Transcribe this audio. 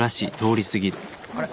あれ？